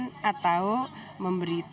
atau memberikan tambahan hukuman di kantor